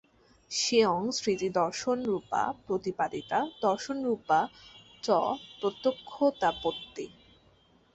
সেয়ং স্মৃতিদর্শনরূপা প্রতিপাদিতা, দর্শনরূপা চ প্রত্যক্ষতাপত্তিঃ।